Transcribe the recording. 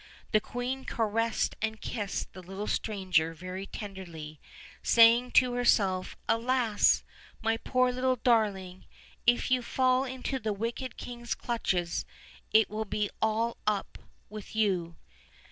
The queen caressed and kissed the little stranger very tenderly, saying to herself: "Alas! my poor little darling, if you fall into the wicked king's clutches, it will be all up with you."